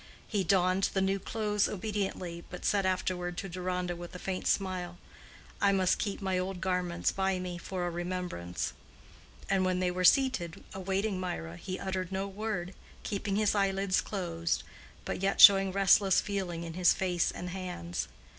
He donned the new clothes obediently, but said afterward to Deronda, with a faint smile, "I must keep my old garments by me for a remembrance." And when they were seated, awaiting Mirah, he uttered no word, keeping his eyelids closed, but yet showing restless feeling in his face and hands.